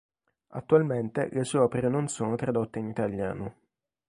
Attualmente le sue opere non sono tradotte in italiano.